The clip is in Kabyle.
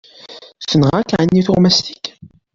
Tenɣa-k ɛni tuɣmest-ik?